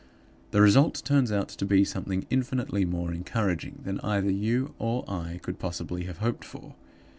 The result turns out to be something infinitely more encouraging than either you or I could possibly have hoped for.